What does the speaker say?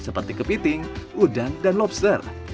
seperti kepiting udang dan lobster